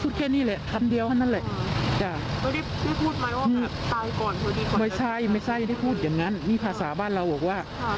พูดแค่นี้แหละคำเดียวนั่นแหละไม่ใช่ได้พูดอย่างนั้นนี่ภาษาบ้านเราบอกว่า